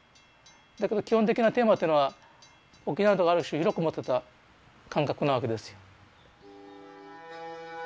だけど基本的なテーマっていうのは沖縄の人がある種広く持ってた感覚なわけですよ。